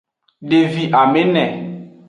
Devi amene.